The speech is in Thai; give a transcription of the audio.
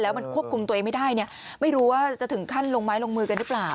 มันควบคุมตัวเองไม่ได้เนี่ยไม่รู้ว่าจะถึงขั้นลงไม้ลงมือกันหรือเปล่า